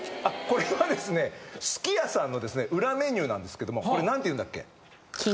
これはですねすき家さんの裏メニューなんですけどもこれ何ていうんだっけ？